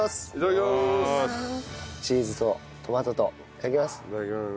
チーズとトマトといただきます。